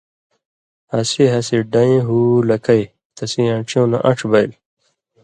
ہَسی ہسی ڈَیں ہُو لَکئ، تَسِیں آن٘ڇِھیُوں نہ اَن٘ڇھہۡ بَئیل،